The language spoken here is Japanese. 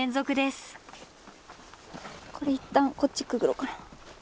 これいったんこっちくぐろうかな。